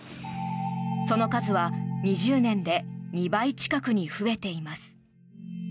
その数は２０年で２倍近くに増えています。